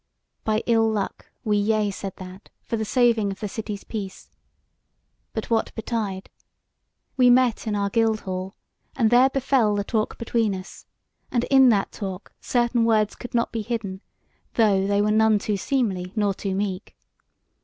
By ill luck we yea said that for the saving of the city's peace. But what betid? We met in our Gild hall, and there befell the talk between us; and in that talk certain words could not be hidden, though they were none too seemly nor too meek.